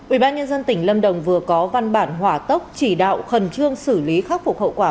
ubnd tỉnh lâm đồng vừa có văn bản hỏa tốc chỉ đạo khẩn trương xử lý khắc phục hậu quả